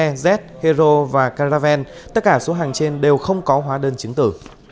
sce hero và caravan tất cả số hàng trên đều không có hóa đơn chứng tử